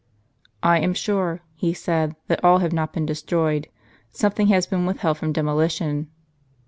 " I am sure," he said, "that all have not been destroyed. Something has been withheld from demolition."